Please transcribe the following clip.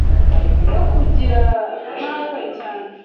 we kumugira nkawe cyane